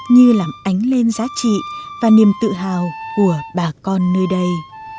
như làm ánh lên giá trị và niềm tự hào của bà con nơi đây